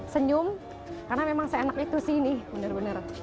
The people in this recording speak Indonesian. senyum karena memang seenaknya tuh sih ini bener bener